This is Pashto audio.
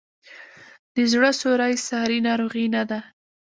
د زړه سوری ساري ناروغي نه ده.